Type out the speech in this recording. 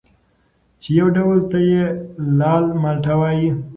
چې یو ډول ته یې لال مالټه وايي